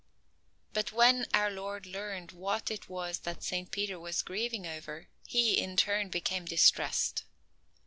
But when our Lord learned what it was that Saint Peter was grieving over, He, in turn, became distressed.